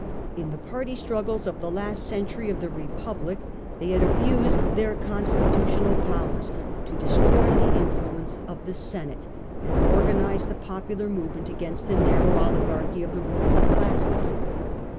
In the party struggles of the last century of the republic they had abused their consli — A.D. 14. Augustus. 13 tutional powers to destroy the influence of the Senate and organize the popular movement against the narrow oligarchy of the ruling classes.